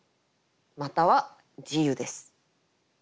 または自由です。